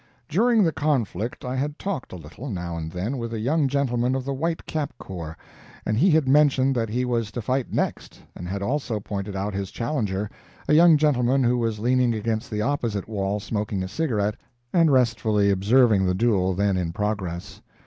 During the conflict, I had talked a little, now and then, with a young gentleman of the White Cap Corps, and he had mentioned that he was to fight next and had also pointed out his challenger, a young gentleman who was leaning against the opposite wall smoking a cigarette and restfully observing the duel then in progress.